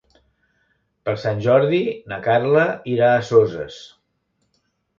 Per Sant Jordi na Carla irà a Soses.